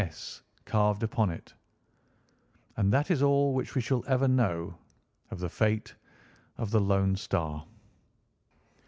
S." carved upon it, and that is all which we shall ever know of the fate of the Lone Star.